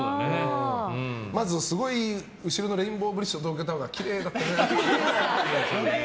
まずすごい後ろのレインボーブリッジと東京タワーがきれいだったね。